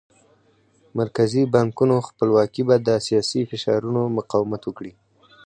مرکزي بانکونو خپلواکي به د سیاسي فشارونو مقاومت وکړي.